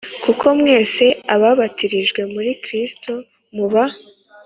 kuko mwese ababatirijwe muri Kristo muba